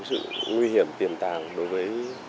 sự nguy hiểm tiềm tàng đối với